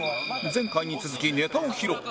前回に続きネタを披露